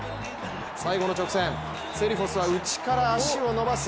最後の直線、セリフォスは内から脚を伸ばす。